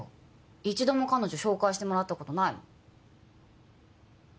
一度も彼女紹介してもらったことないもん